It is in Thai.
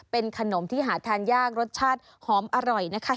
เป็นขนมที่หาทานยากรสชาติหอมอร่อยนะคะ